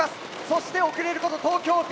そして遅れること東京Ｂ。